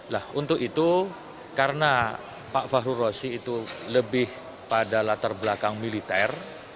nah untuk itu karena pak fahru rosi itu lebih pada latar belakang militer